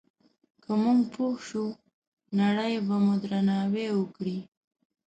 که موږ پوه شو، نړۍ به مو درناوی وکړي.